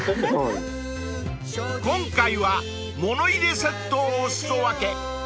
［今回は物入れセットをお裾分け］